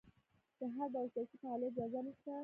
د هر ډول سیاسي فعالیت اجازه نشته.